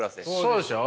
そうでしょ。